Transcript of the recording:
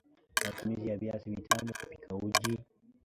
Matumizi ya Viazi Vitamu kupikia uji